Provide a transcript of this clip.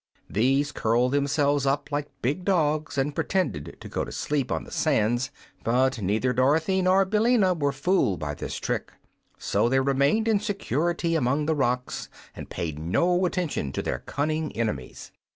These curled themselves up like big dogs and pretended to go to sleep on the sands; but neither Dorothy nor Billina were fooled by this trick, so they remained in security among the rocks and paid no attention to their cunning enemies.